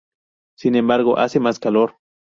Sin embargo, hace más calor.